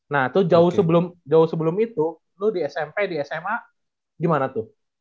nah itu jauh sebelum itu lo di smp di sma gimana tuh